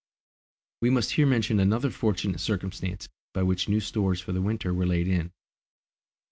We must here mention another fortunate circumstance by which new stores for the winter were laid in.